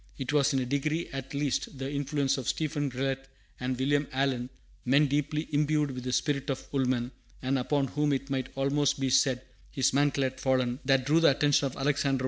It was in a degree, at least, the influence of Stephen Grellet and William Allen, men deeply imbued with the spirit of Woolman, and upon whom it might almost be said his mantle had fallen, that drew the attention of Alexander I.